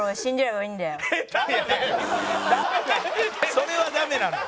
それはダメなのよ。